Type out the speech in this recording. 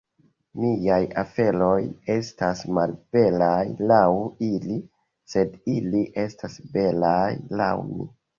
"Miaj aferoj estas malbelaj laŭ ili, sed ili estas belaj laŭ mi."